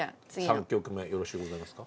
３曲目よろしゅうございますか。